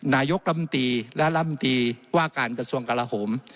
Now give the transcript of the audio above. นายกรรมตีและลำตีว่าการกระทรวงกลาโหม